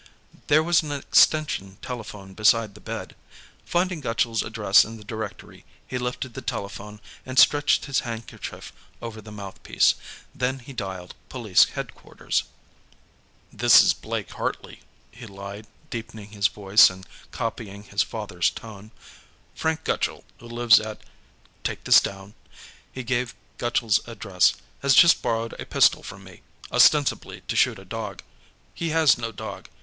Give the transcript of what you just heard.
There was an extension telephone beside the bed. Finding Gutchall's address in the directory, he lifted the telephone, and stretched his handkerchief over the mouthpiece. Then he dialed Police Headquarters. "This is Blake Hartley," he lied, deepening his voice and copying his father's tone. "Frank Gutchall, who lives at...take this down" he gave Gutchall's address "has just borrowed a pistol from me, ostensibly to shoot a dog. He has no dog.